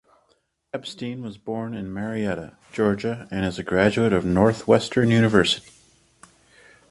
Epstein was born in Marietta, Georgia and is a graduate of Northwestern University.